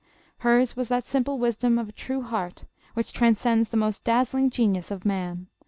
Hers was that simple wisdom of a true heart which transcends the most dazzling genius of man.